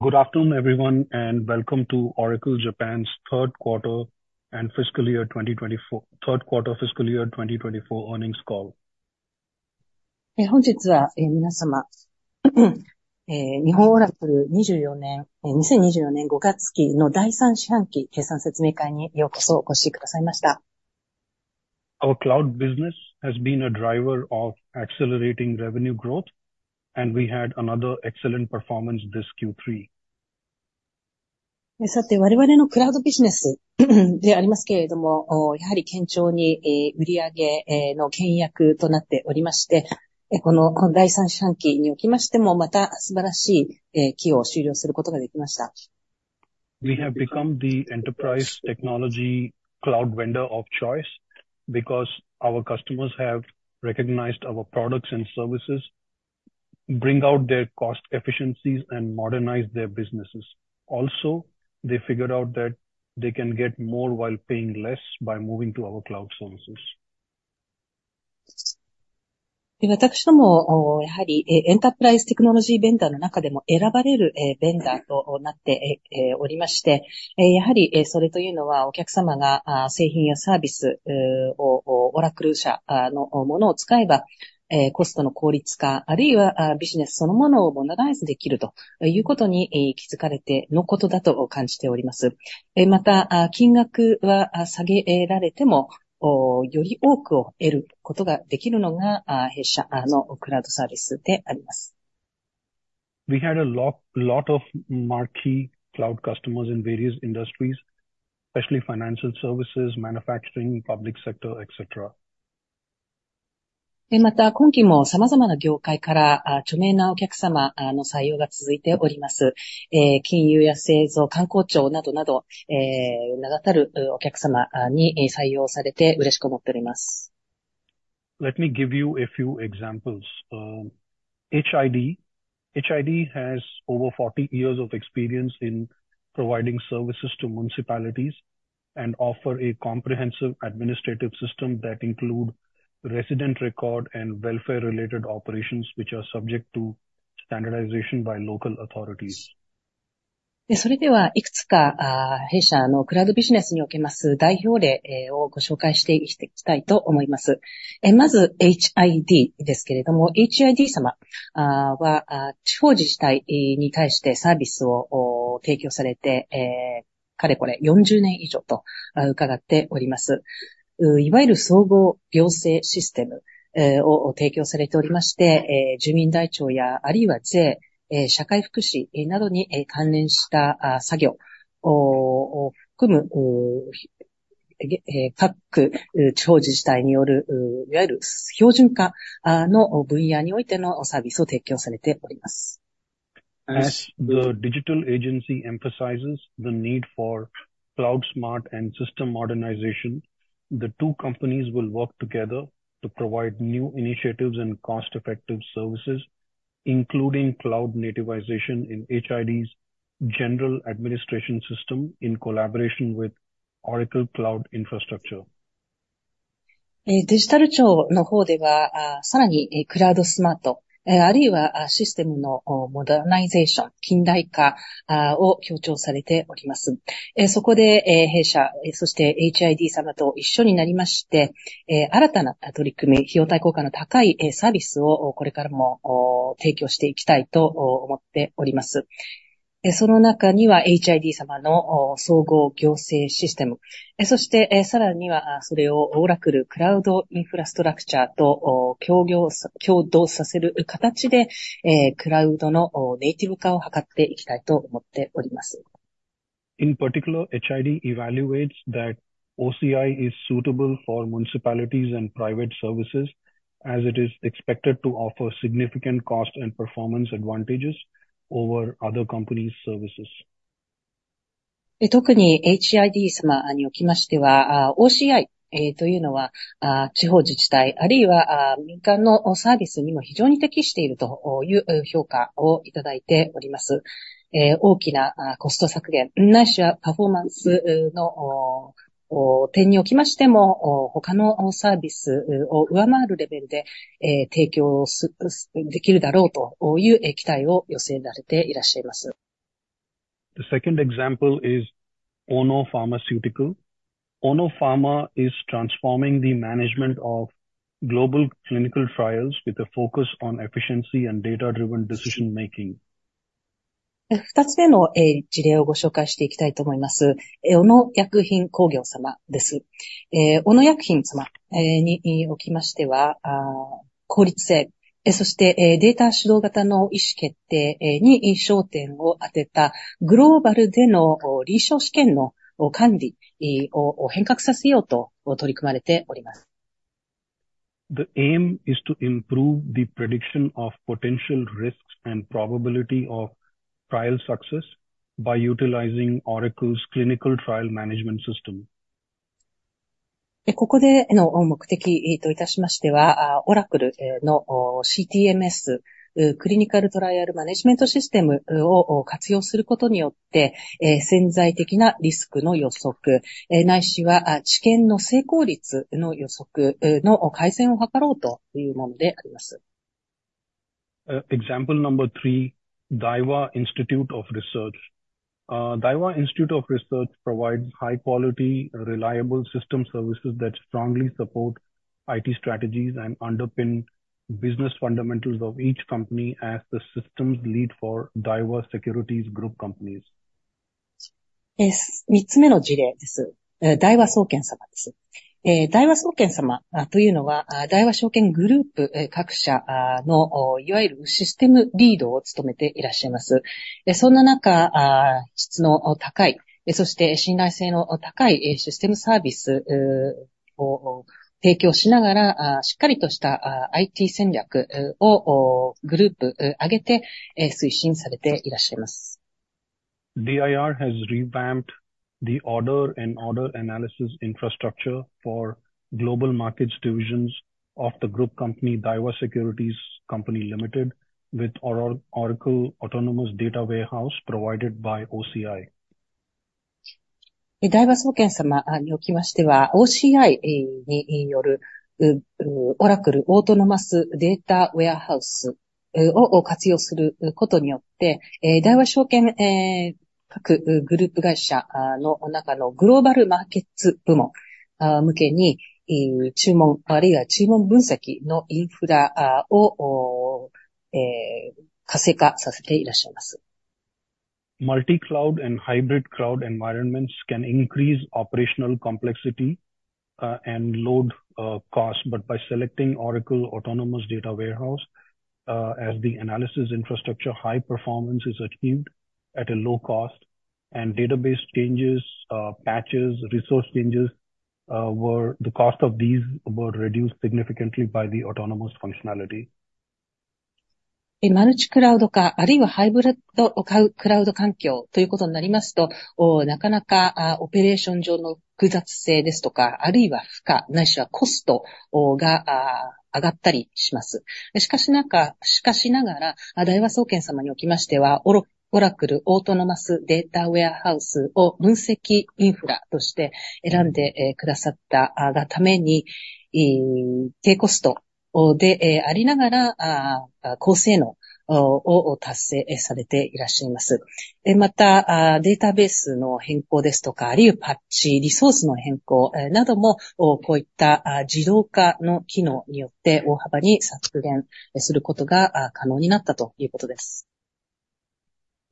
Good afternoon, everyone, and welcome to Oracle Japan's third quarter fiscal year 2024 earnings call. 本日は皆様、日本オラクル2024年5月期の第3四半期決算説明会にようこそお越しくださいました。Our cloud business has been a driver of accelerating revenue growth, and we had another excellent performance this Q3. さて、我々のクラウドビジネスでありますけれども、やはり堅調に売上の牽引役となっておりまして、この第三四半期におきましても、また素晴らしい期を終了することができました。We have become the enterprise technology cloud vendor of choice, because our customers have recognized our products and services bring out their cost efficiencies and modernize their businesses. Also, they figured out that they can get more while paying less by moving to our cloud services. 私どもやはりエンタープライズテクノロジーベンダーの中でも選ばれるベンダーとなっておりまして、やはりそれというのは、お客様が製品やサービスをオラクル社のものを使えば、コストの効率化、あるいはビジネスそのものをモダナイズできるということに気づかれてのことだと感じております。また、金額は下げられても、より多くを得ることができるのが弊社のクラウドサービスであります。We had a lot of marquee cloud customers in various industries, especially financial services, manufacturing, public sector, etc. また、今期も様々な業界から著名なお客様の採用が続いております。金融や製造、官公庁などなど、名だたるお客様に採用されて嬉しく思っております。Let me give you a few examples. HID has over forty years of experience in providing services to municipalities and offers a comprehensive administrative system that includes resident records and welfare-related operations, which are subject to standardization by local authorities. それでは、いくつか弊社のクラウドビジネスにおけます代表例をご紹介していきたいと思います。まず、HIDですけれども、HID様は地方自治体に対してサービスを提供され、かれこれ四十年以上と伺っております。いわゆる総合行政システムを提供されておりまして、住民台帳やあるいは税、社会福祉などに関連した作業を含む、各地方自治体による、いわゆる標準化の分野においてのサービスを提供されております。As the digital agency emphasizes the need for cloud smart and system modernization, the two companies will work together to provide new initiatives and cost-effective services, including cloud nativization in HID's general administration system in collaboration with Oracle Cloud Infrastructure. デジタル庁の方では、さらにクラウドスマート、あるいはシステムのモダナイゼーション、近代化を強調されております。そこで弊社、そしてHID様と一緒になりまして、新たな取り組み、費用対効果の高いサービスをこれからも提供していきたいと思っております。その中にはHID様の総合行政システム、そしてさらにはそれをオラクルクラウドインフラストラクチャーと協業、共同させる形で、クラウドのネイティブ化を図っていきたいと思っております。In particular, HID evaluates that OCI is suitable for municipalities and private services, as it is expected to offer significant cost and performance advantages over other companies' services. 特にHID様におきましては、OCIというのは地方自治体あるいは民間のサービスにも非常に適しているという評価をいただいております。大きなコスト削減、ないしはパフォーマンスの点におきましても、他のサービスを上回るレベルで提供できるだろうという期待を寄せられていらっしゃいます。The second example is Ono Pharmaceutical. Ono Pharma is transforming the management of global clinical trials with a focus on efficiency and data-driven decision making. 二つ目の事例をご紹介していきたいと思います。小野薬品工業様です。小野薬品様におきましては、効率性、そしてデータ主導型の意思決定に焦点を当てた、グローバルでの臨床試験の管理を変革させようと取り組まれております。The aim is to improve the prediction of potential risks and probability of trial success by utilizing Oracle's Clinical Trial Management System. ここでの目的といたしましては、オラクルのCTMS、クリニカルトライアルマネジメントシステムを活用することによって、潜在的なリスクの予測、ないしは治験の成功率の予測の改善を図ろうというものであります。Example number three, Daiwa Institute of Research. Daiwa Institute of Research provides high quality, reliable system services that strongly support IT strategies and underpin business fundamentals of each company as the systems lead for Daiwa Securities Group companies. 三つ目の事例です。大和総研様です。大和総研様というのは、大和証券グループ各社のいわゆるシステムリードを務めていらっしゃいます。そんな中、質の高い、そして信頼性の高いシステムサービスを提供しながら、しっかりとしたIT戦略をグループ上げて推進されていらっしゃいます。DIR has revamped the order and order analysis infrastructure for global markets divisions of the group company, Daiwa Securities Company Limited, with Oracle Autonomous Data Warehouse provided by OCI. 大和総研様におきましては、OCIによるオラクルオートノマスデータウェアハウスを活用することによって、大和証券、各グループ会社の中のグローバルマーケット部門向けに、注文あるいは注文分析のインフラを活性化させていらっしゃいます。Multi-cloud and hybrid cloud environments can increase operational complexity and load costs. But by selecting Oracle Autonomous Data Warehouse as the analysis infrastructure, high performance is achieved at a low cost and database changes, patches, resource changes, the cost of these were reduced significantly by the autonomous functionality. マルチクラウド化、あるいはハイブリッドクラウド環境ということになりますと、なかなかオペレーション上の複雑性ですとか、あるいは負荷ないしはコストが上がったりします。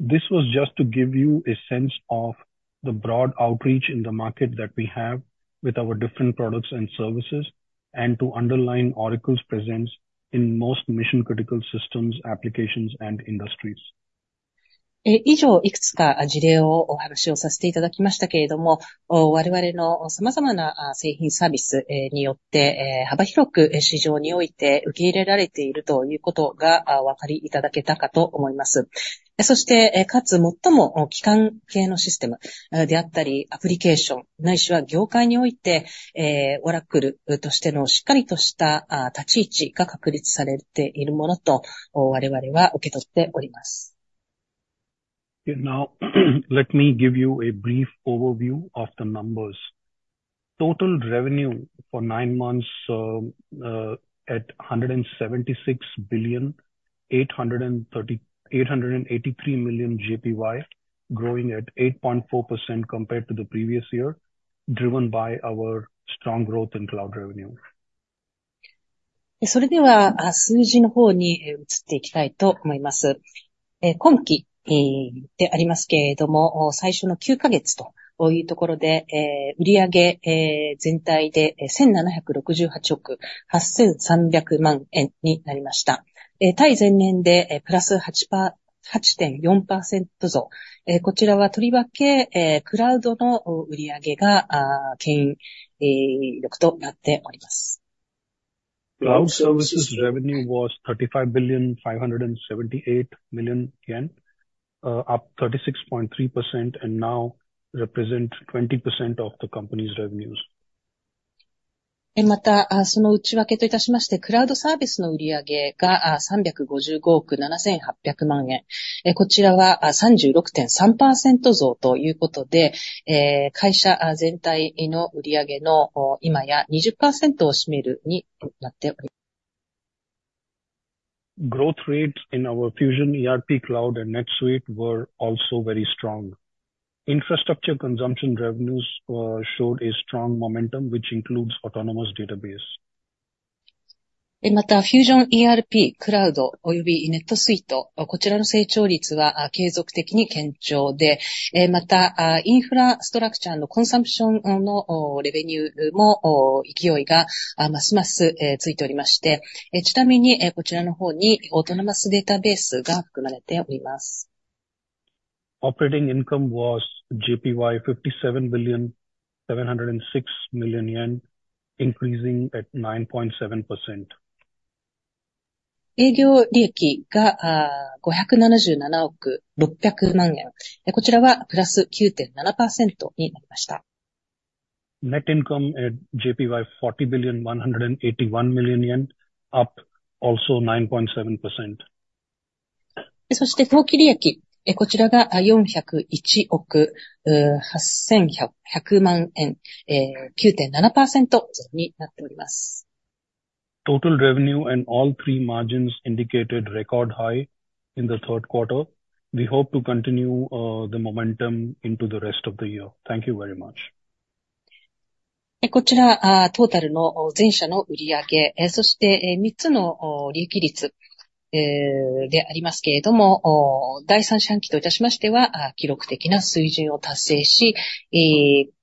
This was just to give you a sense of the broad outreach in the market that we have with our different products and services, and to underline Oracle's presence in most mission critical systems, applications, and industries. Now, let me give you a brief overview of the numbers. Total revenue for nine months at ¥176,883 million, growing at 8.4% compared to the previous year, driven by our strong growth in cloud revenue. それでは数字の方に移っていきたいと思います。今期でありますけれども、最初の9ヶ月というところで、売上全体で1,768億8,300万円になりました。対前年でプラス8%、8.4%増。こちらはとりわけクラウドの売上が牽引力となっております。Cloud services revenue was $35.578 billion, up 36.3% and now represent 20% of the company's revenues. また、その内訳といたしまして、クラウドサービスの売上が355億7,800万円。こちらは36.3%増ということで、会社全体の売上の今や20%を占めるようになっております。Growth rates in our Fusion ERP, cloud, and NetSuite were also very strong. Infrastructure consumption revenues showed strong momentum, which includes autonomous database. また、Fusion ERP、クラウドおよびNetSuite、こちらの成長率は継続的に堅調で、またインフラストラクチャーのコンサンプションのレベニューも勢いがますますついておりまして、ちなみにこちらの方にオートノマスデータベースが含まれております。Operating income was ¥57.706 billion, increasing at 9.7%. 営業利益が577億600万円。こちらはプラス9.7%になりました。Net income at ¥40,181 million, up also 9.7%. そして当期利益、こちらが401億8,100万円、9.7%増になっております。Total revenue and all three margins indicated record high in the third quarter. We hope to continue the momentum into the rest of the year. Thank you very much. えー、こちら、あー、トータルの全社の売上、え、そして、え、三つの、おー、利益率、えー、でありますけれども、おー、第三四半期といたしましては、記録的な水準を達成し、えー、今年、えー、いよいよ後半に入っておりますけれども、この勢いを続けていきたいと考えております。ありがとうございました。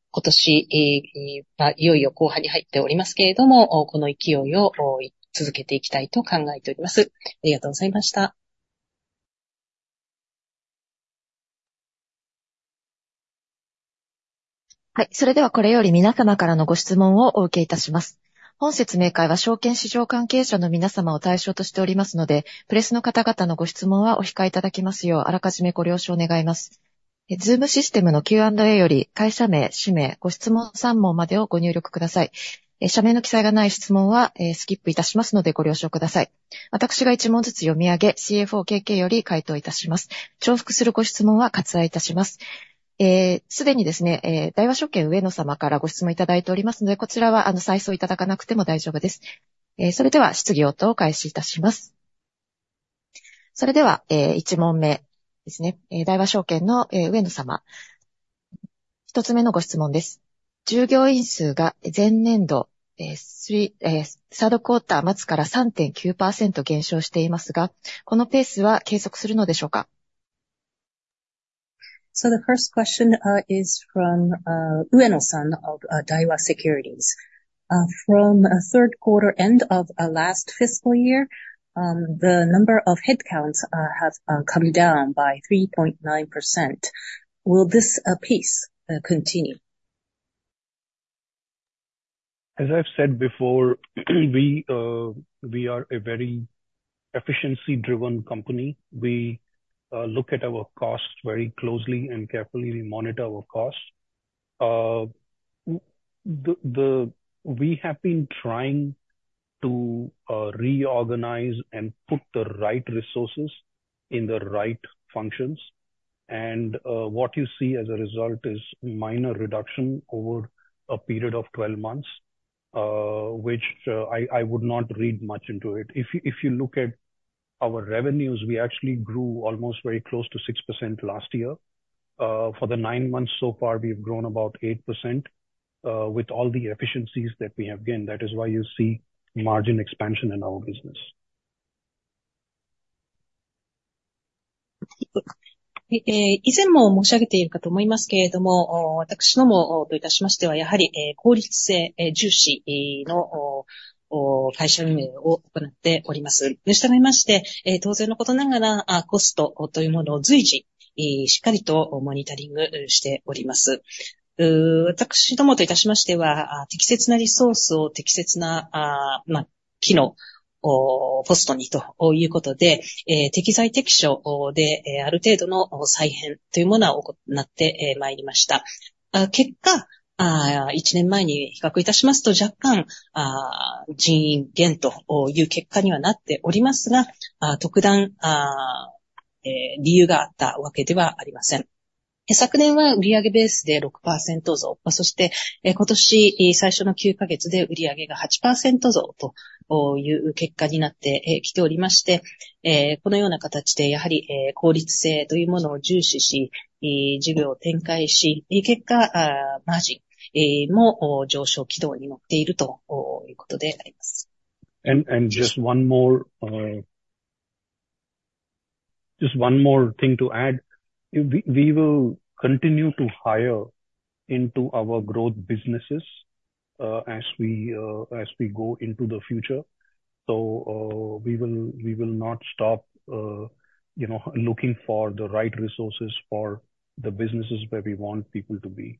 それでは、えー、一問目ですね。大和証券の上野様、一つ目のご質問です。従業員数が前年度、えスリー、え、サードクオーター末から3.9%減少していますが、このペースは継続するのでしょうか。The first question is from Ueno-san of Daiwa Securities. From third quarter end of last fiscal year, the number of headcounts have come down by 3.9%. Will this pace continue? As I've said before, we are a very efficiency driven company. We look at our costs very closely and carefully. We monitor our costs. We have been trying to reorganize and put the right resources in the right functions. What you see as a result is minor reduction over a period of twelve months, which I would not read much into it. If you look at our revenues, we actually grew almost very close to 6% last year. For the nine months so far, we've grown about 8%, with all the efficiencies that we have gained. That is why you see margin expansion in our business. ええ、以前も申し上げているかと思いますけれども、私どもといたしましては、やはり効率性重視の会社運営を行っております。従いまして、当然のことながら、コストというものを随時しっかりとモニタリングしております。昨年は売上ベースで6%増、そして今年最初の9か月で売上が8%増という結果になってきておりまして、このような形で、やはり効率性というものを重視し、事業を展開し、結果、マージンも上昇軌道に乗っているということであります。Just one more thing to add. We will continue to hire into our growth businesses as we go into the future. We will not stop looking for the right resources for the businesses where we want people to be.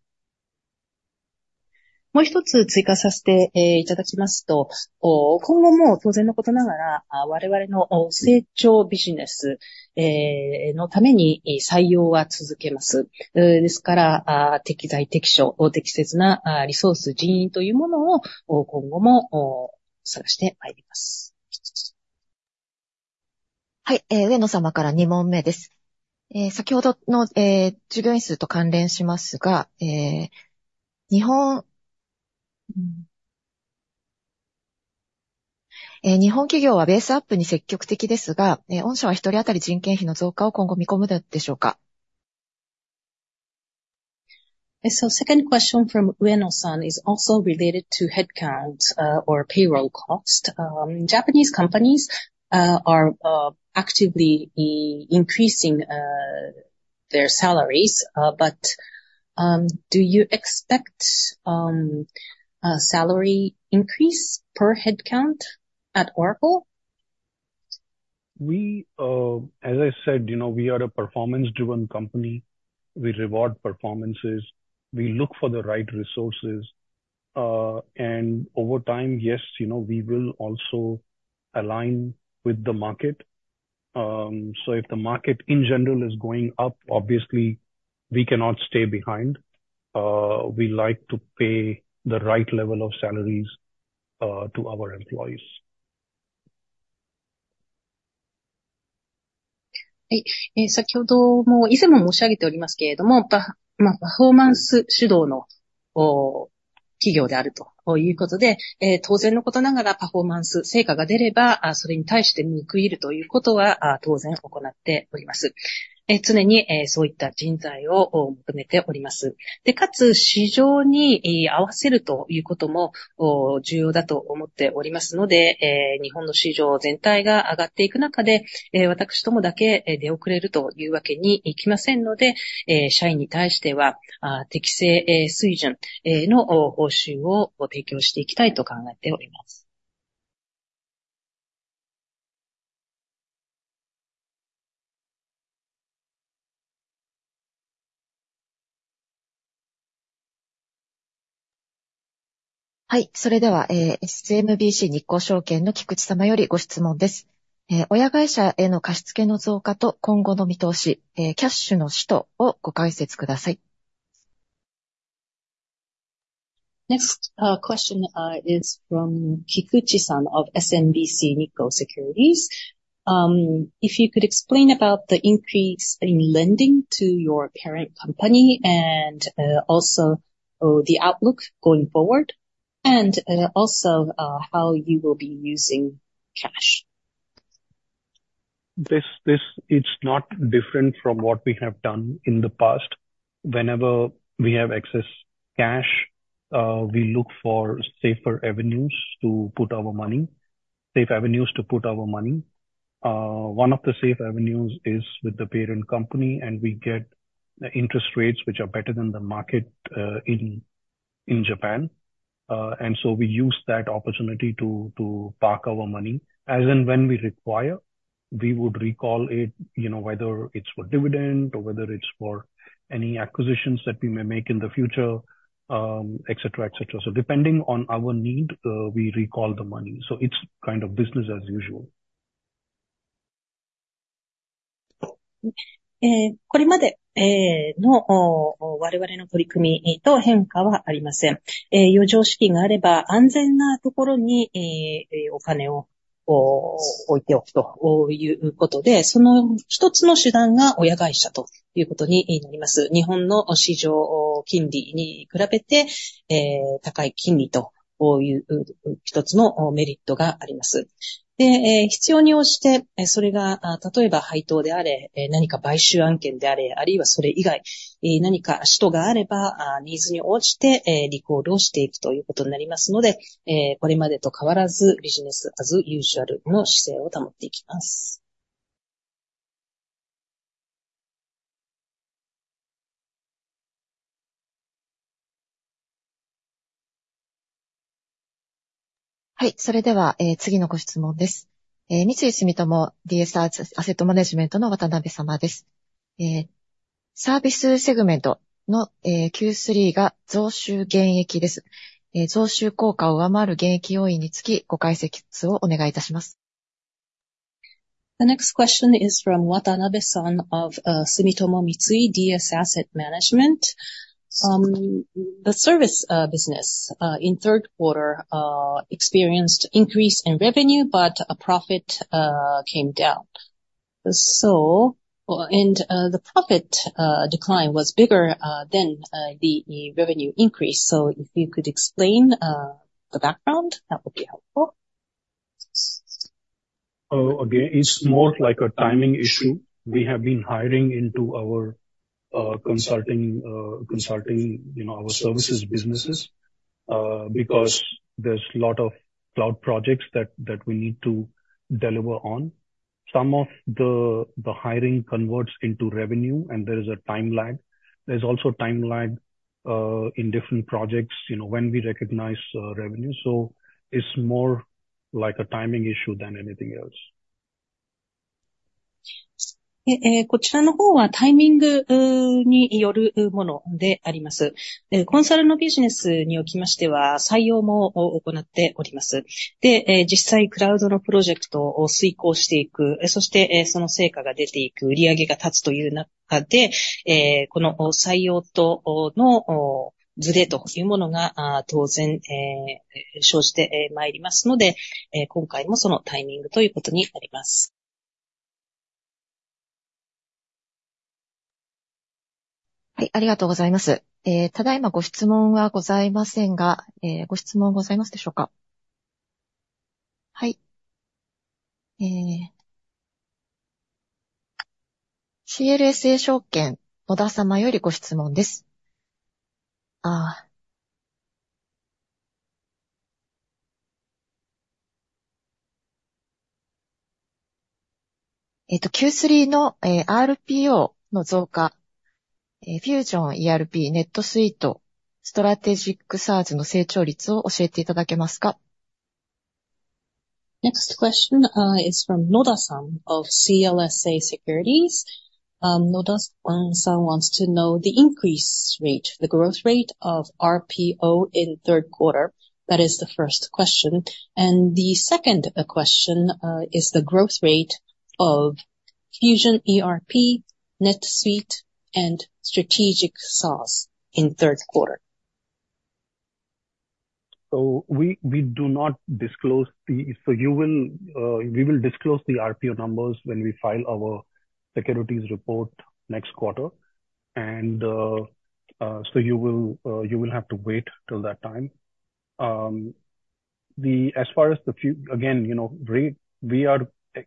はい、えー、上野様から二問目です。えー、先ほどの、えー、従業員数と関連しますが、えー、日本企業はベースアップに積極的ですが、御社は一人当たり人件費の増加を今後見込むのでしょうか。The second question from Ueno-san is also related to headcount or payroll cost. Japanese companies are actively increasing their salaries. But do you expect a salary increase per headcount at Oracle? We, as I said, you know, we are a performance driven company. We reward performances. We look for the right resources. And over time, yes, you know, we will also align with the market. So if the market in general is going up, obviously we cannot stay behind. We like to pay the right level of salaries. はい。Next, question is from Kikuchi of SMBC Nikko Securities. If you could explain about the increase in lending to your parent company and also the outlook going forward, and also how you will be using cash. This is not different from what we have done in the past. Whenever we have excess cash, we look for safer avenues to put our money—safe avenues to put our money. One of the safe avenues is with the parent company, and we get interest rates, which are better than the market in Japan. And so we use that opportunity to park our money, as and when we require, we would recall it, you know, whether it's for dividend or whether it's for any acquisitions that we may make in the future, etc. So depending on our need, we recall the money. So it's kind of business as usual. これまでの我々の取り組みと変化はありません。余剰資金があれば、安全なところにお金を置いておくということで、その一つの手段が親会社ということになります。日本の市場金利に比べて、高い金利という一つのメリットがあります。The next question is from Watanabe-san of Sumitomo Mitsui DS Asset Management. The service business in third quarter experienced increase in revenue, but profit came down. The profit decline was bigger than the revenue increase. So if you could explain the background, that would be helpful. Again, it's more like a timing issue. We have been hiring into our consulting, our services businesses, because there's a lot of cloud projects that we need to deliver on. Some of the hiring converts into revenue, and there is a time lag. There's also a time lag in different projects, when we recognize revenue. So it's more like a timing issue than anything else. ただ今ご質問はございませんが、ご質問ございますでしょうか。はい。CLSA証券、小田様よりご質問です。Q3のRPOの増加、Fusion ERP、NetSuite、Strategic SaaSの成長率を教えていただけますか？ Next question is from Noda San of CLSA Securities. Noda San wants to know the increase rate, the growth rate of RPO in third quarter. That is the first question. The second question is the growth rate of Fusion ERP, NetSuite, and Strategic SaaS in third quarter. We do not disclose the RPO numbers. You will, we will disclose the RPO numbers when we file our securities report next quarter. You will have to wait till that time. As far as the future, again, you know, we are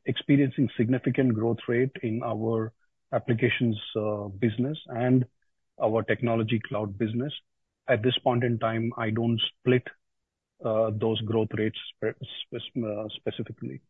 experiencing significant growth rate in our applications business and our technology cloud business. At this point in time, I don't split those growth rates specifically.